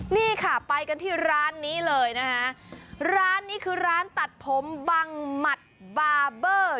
นี่ค่ะไปกันที่ร้านนี้เลยนะคะร้านนี้คือร้านตัดผมบังหมัดบาร์เบอร์